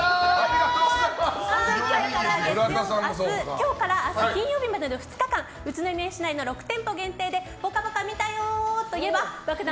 今日から明日金曜までの２日間宇都宮市内の６店舗限定で「ぽかぽか」見たよ！と言えば爆弾